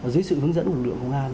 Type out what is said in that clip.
dưới sự hướng dẫn lực lượng công an